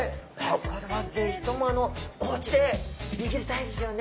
これは是非ともおうちで握りたいですよね。